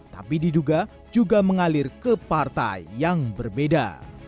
tapi diduga juga mengalir ke partai yang berbeda